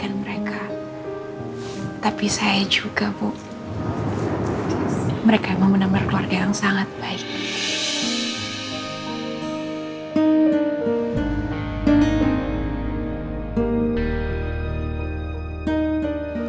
saya merasakan kebaikan mereka tapi saya juga bu mereka memang benar benar keluarga yang sangat baik